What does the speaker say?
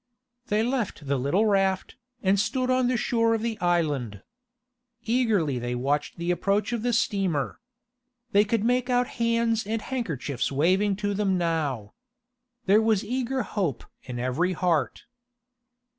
They left the little raft, and stood on the shore of the island. Eagerly they watched the approach of the steamer. They could make out hands and handkerchiefs waving to them now. There was eager hope in every heart.